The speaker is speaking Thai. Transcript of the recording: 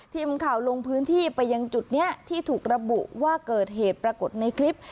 ทีมข่าวลงพื้นที่ไปยังจุดนี้ที่ถูกระบุว่าเกิดเหตุปรากฏในคลิป